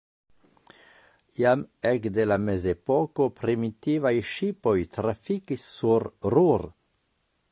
Jam ekde la mezepoko primitivaj ŝipoj trafikis sur Ruhr.